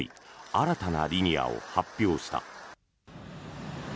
新たなリニアを発表した。